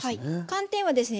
寒天はですね